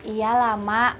iya lah mak